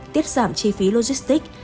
tiết giảm chi phí logistics